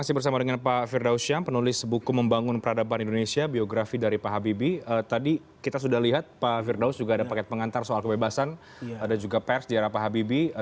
soal kebebasan ada juga pers di arah pak habibie